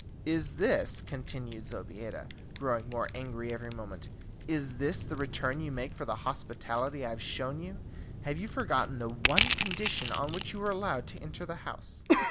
"Is this," continued Zobeida, growing more angry every moment, "is this the return you make for the hospitality I have shown you? Have you forgotten the one condition on which you were allowed to enter the house?